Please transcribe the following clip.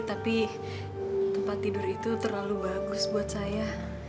tapi tempat tidur itu terlalu bagus buat saya